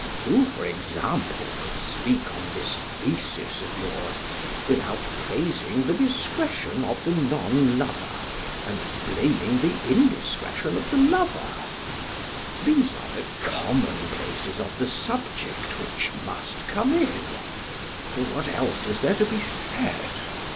Who, for example, could speak on this thesis of yours without praising the discretion of the non lover and blaming the indiscretion of the lover? These are the commonplaces of the subject which must come in (for what else is there to be said?)